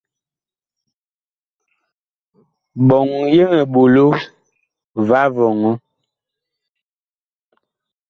Ɓɔŋ yeŋ eɓolo va vɔŋɔ.